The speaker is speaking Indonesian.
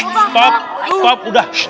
pop pop udah